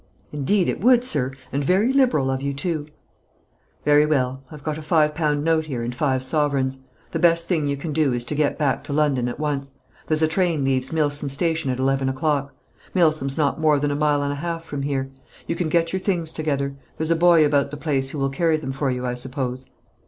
"Indeed it would, sir, and very liberal of you too " "Very well. I've got a five pound note here, and five sovereigns. The best thing you can do is to get back to London at once; there's a train leaves Milsome Station at eleven o'clock Milsome's not more than a mile and a half from here. You can get your things together; there's a boy about the place who will carry them for you, I suppose?"